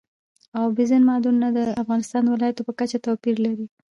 اوبزین معدنونه د افغانستان د ولایاتو په کچه توپیر لري.